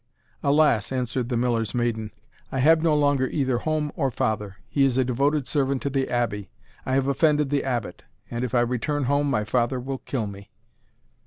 "Alas!" answered the Miller's maiden, "I have no longer either home or father. He is a devoted servant to the Abbey I have offended the Abbot, and if I return home my father will kill me."